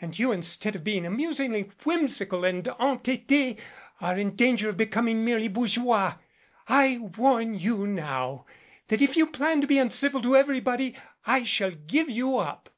And you instead of being amusingly whimsical and entete are in danger of becoming merely bourgeois. I warn you now that if you plan to be uncivil to everybody I shall give you up."